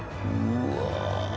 うわ。